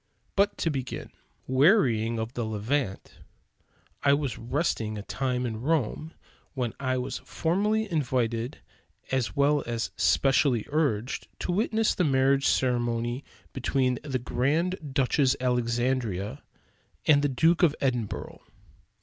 But to begin. Wearying of the Levant, I was resting a time in Rome, when I was formally invited, as well as specially urged, to witness the marriage ceremony between the Grand Duchess Alexandria and the Duke of Edinburgh.